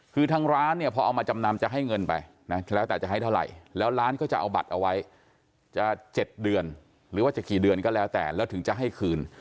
คือทางร้านเนี่ยพอเอามาจำนำจะให้เงินไปนะแล้วแต่จะให้เท่าไหร่แล้วร้านก็จะเอาบัตรเอาไว้จะ๗เดือนหรือว่าจะกี่เดือนก็แล้วแต่แล้วถึงจะให้คืน